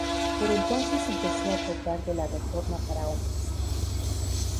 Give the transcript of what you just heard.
Por entonces se empezó a tratar de la reforma para hombres.